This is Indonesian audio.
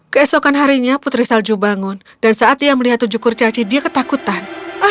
keesokan harinya putri salju bangun dan saat ia melihat tujuh kurcaci dia ketakutan